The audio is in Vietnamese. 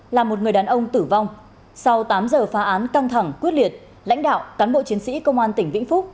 là một người đàn ông tử vong sau tám giờ phá án căng thẳng quyết liệt lãnh đạo cán bộ chiến sĩ công an tỉnh vĩnh phúc